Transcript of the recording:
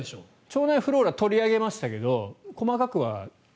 腸内フローラ取り上げましたけど細かくは。